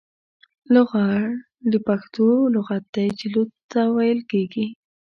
لغړ د پښتو لغت دی چې لوڅ ته ويل کېږي.